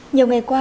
nhiều ngày qua